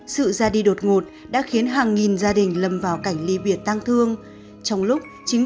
sự ra đi đột ngột đã khiến hàng nghìn gia đình lầm vào cảnh ly biệt tăng thương trong lúc chính